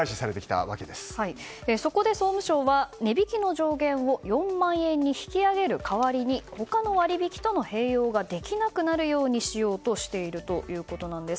そこで総務省は値引きの上限を４万円に引き上げる代わりに他の割引との併用ができなくなるようにしようとしているということです。